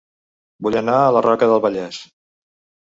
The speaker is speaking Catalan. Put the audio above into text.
Vull anar a La Roca del Vallès